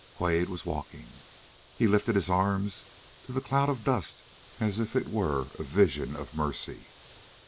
Quade was walking. He lifted his arms to the cloud of dust as if it were a vision of mercy.